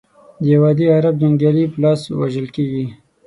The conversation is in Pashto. د یوه عادي عرب جنګیالي په لاس وژل کیږي.